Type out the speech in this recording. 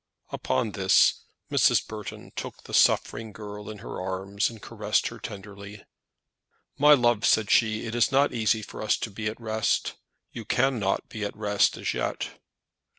Upon this Mrs. Burton took the suffering girl in her arms and caressed her tenderly. "My love," said she, "it is not easy for us to be at rest. You cannot be at rest as yet."